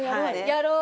やろう。